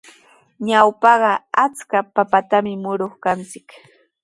Ñawpaqa achka papatami muruq kanchik.